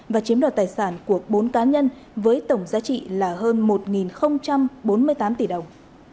và chiếm đoạt tài sản của bốn cá nhân với tổng giá trị là hơn một bốn mươi tám tỷ đồng